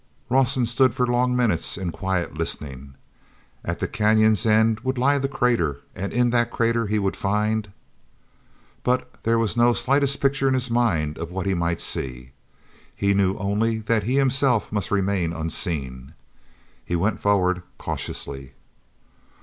awson stood for long minutes in quiet listening. At the canyon's end would lie the crater, and in that crater he would find.... But there was no slightest picture in his mind of what he might see. He knew only that he himself must remain unseen. He went forward cautiously.